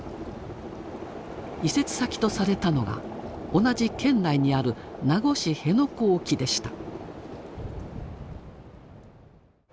移設先とされたのが同じ県内にある名護市辺野古沖でした。